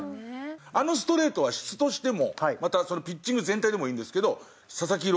あのストレートは質としてもまたピッチング全体でもいいんですけど佐々木朗